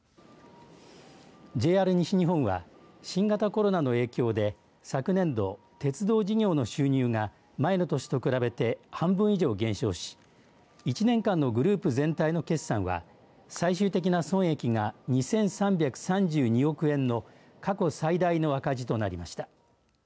ＪＲ西日本は新型コロナの影響で、昨年度鉄道事業の収入が前の年と比べて半分以上減少し１年間のグループ全体の決算は最終的な損益が２３３２億円の過去最大の赤字となりました。